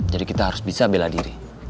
jadi kita harus bisa bela diri